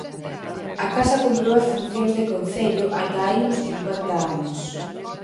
A Casa cumpriu as funcións de concello ata hai uns cincuenta anos.